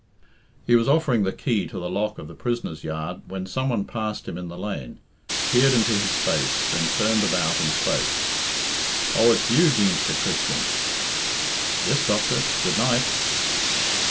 He was offering the key to the lock of the prisoners' yard when some one passed him in the lane, peered into his face, then turned about and spoke. "Oh, it's you, Deemster Christian?" "Yes, doctor. Good night!"